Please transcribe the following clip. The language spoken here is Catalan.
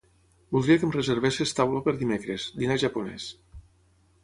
Voldria que em reservessis taula per dimecres, dinar japonès.